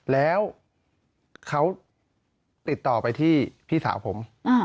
แล้วเขาติดต่อไปที่พี่สาวผม